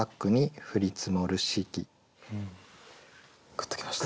グッときました。